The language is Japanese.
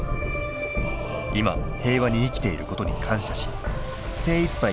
今平和に生きていることに感謝し精いっぱい